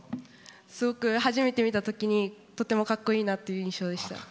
すごく初めて見たときにとてもかっこいいなという印象でした。